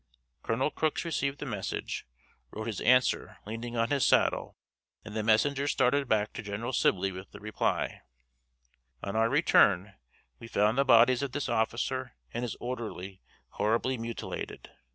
Col. Crooks received the message, wrote his answer leaning on his saddle, and the messengers started back to Gen. Sibley with the reply. On our return trip we found the bodies of this officer and his orderly horribly mutilated.